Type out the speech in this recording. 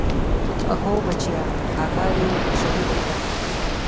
هو بچيه هغه يې شهيده کړه.